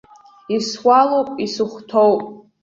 Исуалуп, исыхәҭоуп.